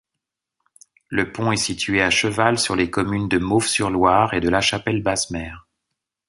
Le pont est situé à cheval sur les communes de Mauves-sur-Loire et La Chapelle-Basse-Mer.